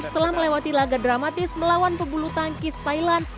setelah melewati laga dramatis melawan pebulu tangkis thailand